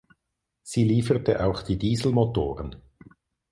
Sie lieferte auch die Dieselmotoren.